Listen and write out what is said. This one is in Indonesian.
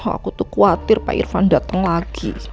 aku tuh khawatir pak irfan dateng lagi